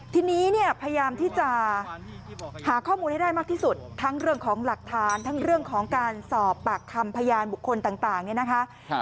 ทีนี้เนี่ยพยายามที่จะหาข้อมูลให้ได้มากที่สุดทั้งเรื่องของหลักฐานทั้งเรื่องของการสอบปากคำพยานบุคคลต่างเนี่ยนะคะ